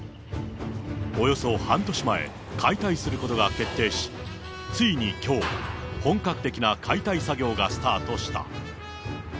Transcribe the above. およそ半年前、解体することが決定し、ついにきょう、本格的な解体作業がスタートした。